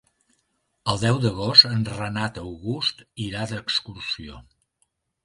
El deu d'agost en Renat August irà d'excursió.